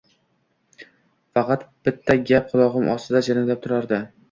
Faqat bitta gap qulog‘im ostida jaranglab turardi.